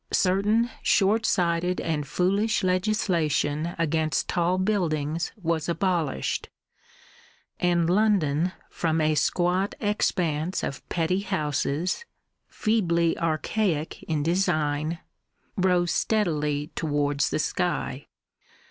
Certain short sighted and foolish legislation against tall buildings was abolished, and London, from a squat expanse of petty houses feebly archaic in design rose steadily towards the sky.